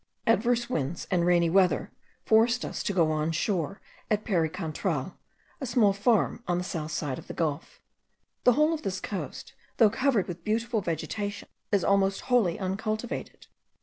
Adverse winds and rainy weather forced us to go on shore at Pericantral, a small farm on the south side of the gulf. The whole of this coast, though covered with beautiful vegetation, is almost wholly uncultivated.